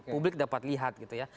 publik dapat lihat gitu ya